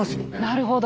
なるほど。